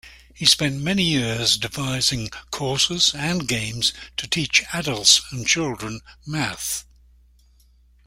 He spent many years devising courses and games to teach adults and children math.